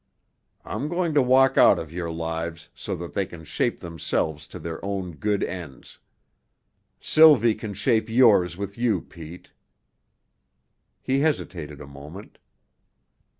I'm going to walk out of your lives so that they can shape themselves to their own good ends. Sylvie can shape yours with you, Pete." He hesitated a moment.